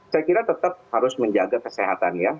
saya kira tetap harus menjaga kesehatan ya